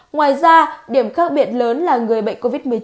ngoài ra điểm khác biệt lớn là người bệnh covid một mươi chín